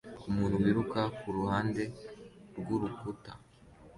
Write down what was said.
Umuntu wiruka kuruhande rwurukuta